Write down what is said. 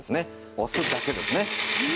押すだけですね。